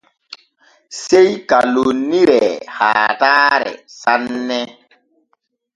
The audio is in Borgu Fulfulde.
Sey ka lonniree haatare sanne.